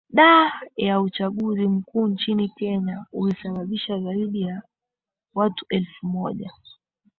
da ya uchaguzi mkuu nchini kenya ulisababisha zaidi ya watu elfu moja